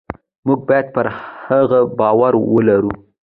موږ باید پر هغه باور ولرو.